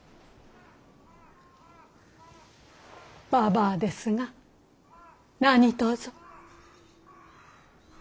ばばあですが何とぞ。